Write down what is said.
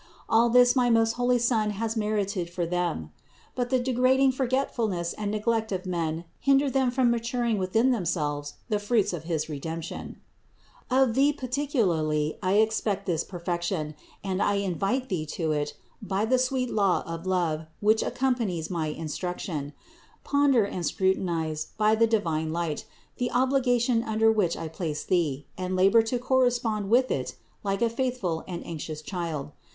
All this my most holy Son has merited for them. But the degrading forgetfulness and neglect of men hin der them from maturing within themselves the fruits of his Redemption. 467. Of thee particularly I expect this perfection, and 392 CITY OF GOD I invite thee to it by the sweet law of love which accom panies my instruction. Ponder and scrutinize, by the divine light, the obligation under which I place thee, and labor to correspond with it like a faithful and anxious child.